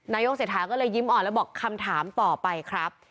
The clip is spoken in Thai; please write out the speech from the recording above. นายกเศรษฐาก็เลยยิ้มอ่อนแล้วบอกคำถามต่อไปครับ